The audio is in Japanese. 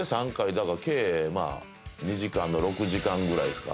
だから計まあ２時間の６時間ぐらいですか。